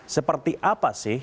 seperti apa sih